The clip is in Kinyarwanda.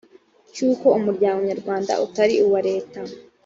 cy uko umuryango nyarwanda utari uwa leta